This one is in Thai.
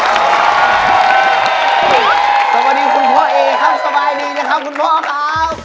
สวัสดีคุณพ่อเอครับสบายดีนะครับคุณพ่อครับ